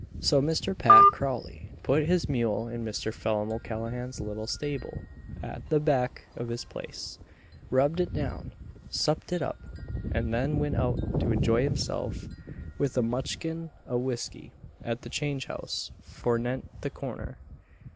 So Mr. Pat Crawley put his mule in Mr. Phelim O'Callaghan's little stable at the back of his place rubbed it down; supped it up; and then went out to enjoy himself with a mutchkin o' whiskey at the Change house fornent the corner.